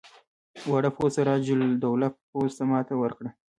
واړه پوځ سراج الدوله پوځ ته ماته ورکړه.